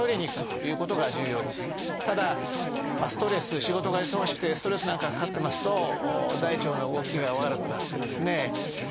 ただストレス仕事が忙しくてストレスなんかがかかってますと大腸の動きが悪くなってですね